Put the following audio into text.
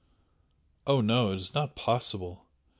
"Oh, no, it is not possible!"